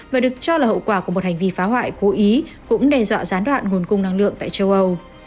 và được cho là hậu quả của một hành vi phá hoại cố ý cũng đe dọa gián đoạn nguồn cung năng lượng tại châu âu